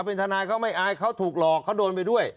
เป็นทนายเขาไม่อายเขาถูกหลอกเขาโดนไปด้วย